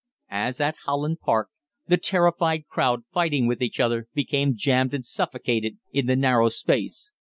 As at Holland Park, the terrified crowd fighting with each other became jammed and suffocated in the narrow space.